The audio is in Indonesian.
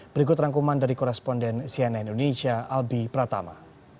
berikut rangkuman dari koresponden cnn indonesia albi pratama